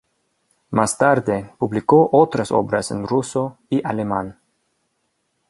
Más tarde publicó otras obras en ruso y alemán.